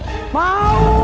apa manah rasa anakku